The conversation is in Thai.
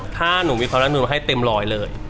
ถ้าหนูมีความรักหนูให้เต็มร้อยเลย